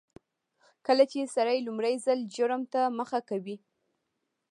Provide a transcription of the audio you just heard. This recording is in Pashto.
کله چې سړی لومړي ځل جرم ته مخه کوي